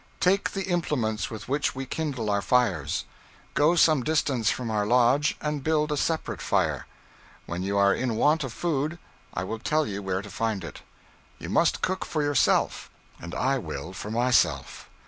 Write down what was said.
Take the implements with which we kindle our fires. Go some distance from our lodge and build a separate fire. When you are in want of food, I will tell you where to find it. You must cook for yourself, and I will for myself.